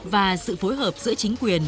và sự phối hợp giữa chính quyền